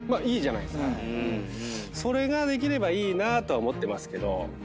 それができればいいなとは思ってますけど。